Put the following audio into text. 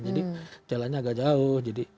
jadi jalannya agak jauh